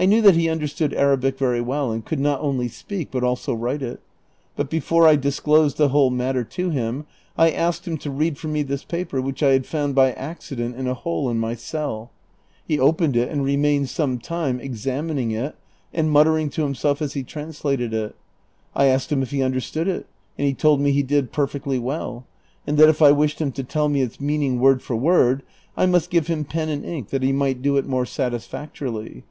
I knew that he understood Arabic very well, and could not only speak but also write it ; but before I disclosed the whole matter to him, I asked him to read for me this paper which I had found by accident in a hole in my cell. He opened it and remained sometime examining it and muttering to himself as he translated it. I asked him if he understood it, and he told me he did perfectly well, and that if I wished him to tell me its meaning word for word, I niust give him pen and ink that he might do it more satisfactorily.